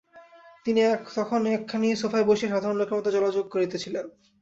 তিনি তখন একখানি সোফায় বসিয়া সাধারণ লোকের মত জলযোগ করিতেছিলেন।